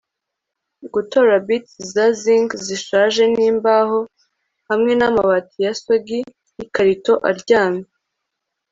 gutora bits za zinc zishaje nimbaho hamwe namabati ya soggy yikarito aryamye